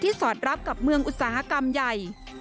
สอดรับกับเมืองอุตสาหกรรมใหญ่